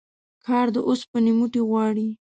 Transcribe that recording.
کار د اوسپني موټي غواړي